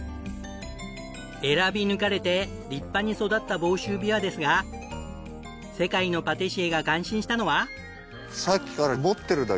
選び抜かれて立派に育った房州びわですが世界のパティシエが感心したのは。